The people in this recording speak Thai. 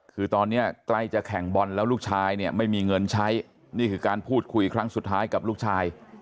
คือตอนนี้ใกล้จะแข่งบอลแล้วลูกชายเนี่ยไม่มีเงินใช้นี่คือการพูดคุยครั้งสุดท้ายกับลูกชาย